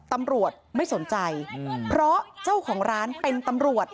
ตำรวจไม่สนใจเพราะเจ้าของร้านเป็นตำรวจ